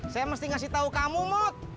saya mesti ngasih tahu kamu mut